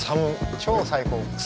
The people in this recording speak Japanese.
超最高。